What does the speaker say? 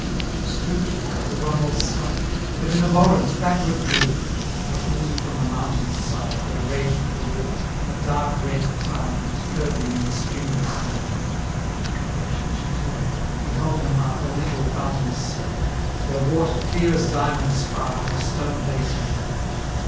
She stoop'd her by the runnel's side, But in abhorrence backward drew; 915 For, oozing from the mountain's side, Where raged the war, a dark red tide Was curdling in the streamlet blue. Where shall she turn! behold her mark A little fountain cell, 920 Where water, clear as diamond spark, In a stone basin fell.